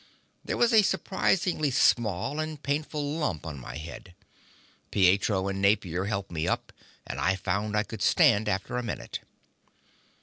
There was a surprisingly small and painful lump on my head. Pietro and Napier helped me up, and I found I could stand after a minute.